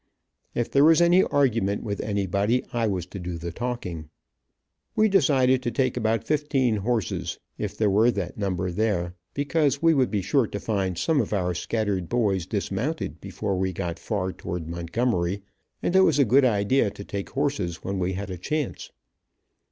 If there was any argument with anybody, I was to do the talking. We decided to take about fifteen horses, if there were that number there, because we would be sure to find some of our scattered boys dismounted before we got far toward Montgomery, and it was a good idea to take horses when we had a chance.